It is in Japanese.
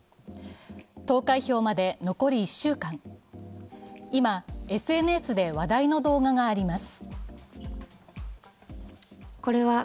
投開票まで残り１週間、今、ＳＮＳで話題の動画があります。